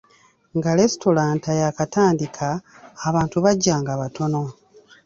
Nga lesitulanta yaakatandika, abantu bajjanga batono.